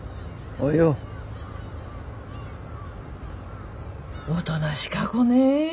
おとなしか子ね。